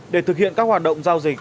để thực hiện các hoạt động giao dịch